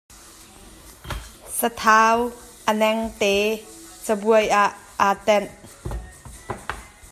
Sathau a naangte cabuai ah aa tenh.